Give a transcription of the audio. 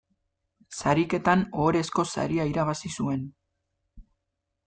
Sariketan Ohorezko saria irabazi zuen.